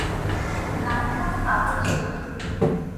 গায়ে কোনো কাপড় ছিল না।